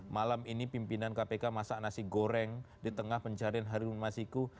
malam ini pimpinan kpk masak nasi goreng di tengah pencarian harun masiku